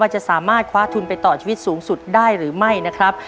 จะสามารถคว้าทุนไปต่อชีวิตสูงสุดได้หรือไม่นะครับ